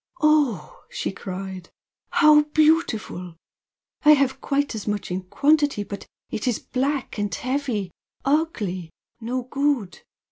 "Oh!" she cried "How beautiful! I have quite as much in quantity, but it is black and heavy ugly! no good.